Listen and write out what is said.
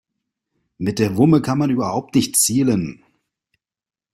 Mit der Wumme kann man überhaupt nicht zielen.